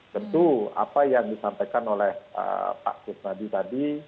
tentu apa yang disampaikan oleh pak kusnadi tadi